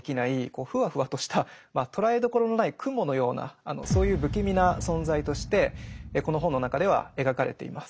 こうふわふわとした捉えどころのない雲のようなそういう不気味な存在としてこの本の中では描かれています。